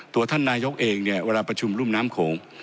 ตัวท่านนายกเองเนี่ยเวลาประชุมรุ่มน้ำโขง